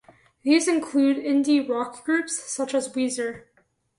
These include indie rock groups such as Weezer.